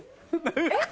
えっ？